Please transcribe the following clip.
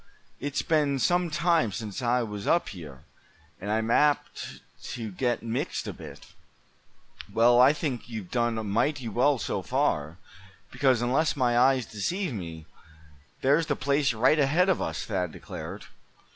It's been some time since I was up here, and I'm apt to get mixed a bit." "Well, I think you've done mighty well so far; because, unless my eyes deceive me, there's the place right ahead of us," Thad declared.